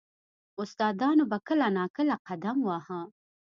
• استادانو به کله نا کله قدم واهه.